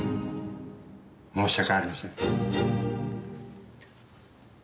申し訳ありません。